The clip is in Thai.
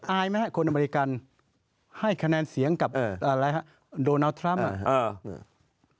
อายไหมฮะคนอเมริกาให้คะแนนเสียงกับโดนัลด์ทรัมป์